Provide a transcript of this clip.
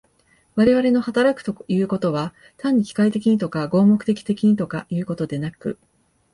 我々の働くということは、単に機械的にとか合目的的にとかいうことでなく、